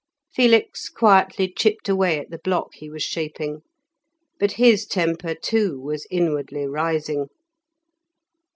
Felix quietly chipped away at the block he was shaping, but his temper, too, was inwardly rising.